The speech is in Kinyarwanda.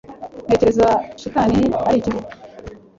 ntekereza shitani ari kibi